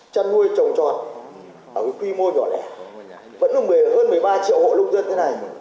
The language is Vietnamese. chăn nuôi trồng tròn ở quy mô nhỏ lẻ vẫn được hơn một mươi ba triệu hộ lông dân thế này